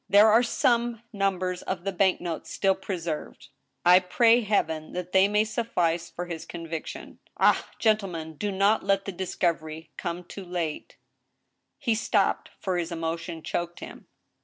There are some numbers of the bank notes still pre served. ... I pray Heaven that they may suffice for his conviction. Ah I gentlemen, do not let the discovery come too late —" He stopped, for his emotion choked him.